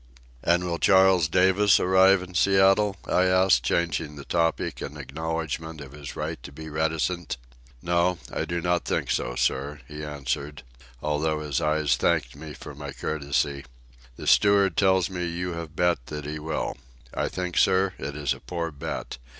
"And will Charles Davis arrive in Seattle?" I asked, changing the topic in acknowledgment of his right to be reticent. "No, I do not think so, sir," he answered, although his eyes thanked me for my courtesy. "The steward tells me you have bet that he will. I think, sir, it is a poor bet.